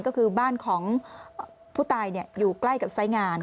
ก็คือบ้านของผู้ตายอยู่ใกล้กับไซส์งาน